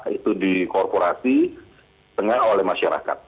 itu di korporasi setengah oleh masyarakat